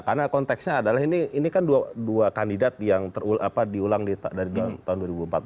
karena konteksnya adalah ini kan dua kandidat yang diulang dari tahun dua ribu empat belas